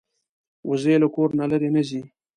وزې له کور نه لرې نه ځي